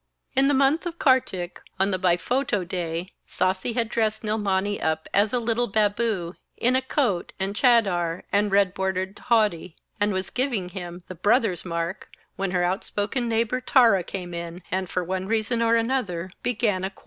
In the month of Kartik, on the bhaiphoto day, Sasi had dressed Nilmani up as a little Babu, in coat and chadar and red bordered dhoti, and was giving him the 'brother's mark,' when her outspoken neighbour Tara came in and, for one reason or another, began a quarrel.